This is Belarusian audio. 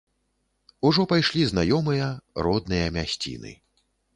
Ужо пайшлі знаёмыя, родныя мясціны.